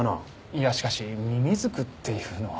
いやしかしみみずくっていうのは。